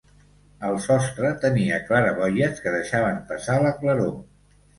El sostre tenia claraboies que deixaven passar la claror.